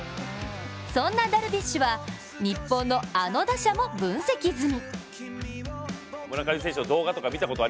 そんなダルビッシュは日本のあの打者も分析済み。